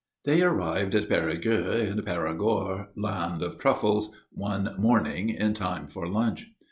They arrived at Perigueux, in Perigord, land of truffles, one morning, in time for lunch.